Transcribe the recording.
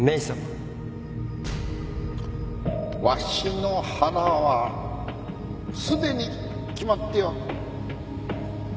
わしの腹はすでに決まっておる。